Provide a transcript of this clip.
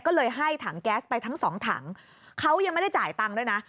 ก็เลยให้ถังแก๊สไปทั้งสองถังเขายังไม่ได้จ่ายตังค์ด้วยนะ